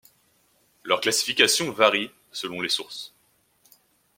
Leur classification varie selon les sources.